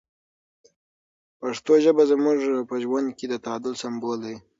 پښتو ژبه زموږ په ژوند کې د تعادل سمبول دی.